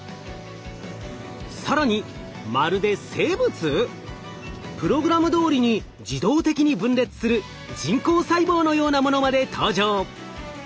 更にプログラムどおりに自動的に分裂する人工細胞のようなものまで登場！